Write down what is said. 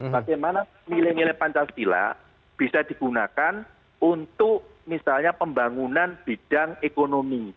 bagaimana nilai nilai pancasila bisa digunakan untuk misalnya pembangunan bidang ekonomi